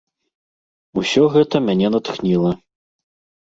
Усё гэта мяне натхніла.